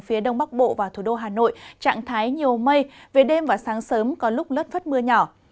phía đông bắc bộ và thủ đô hà nội trạng thái nhiều mây về đêm và sáng sớm có lúc lất phất mưa nhỏ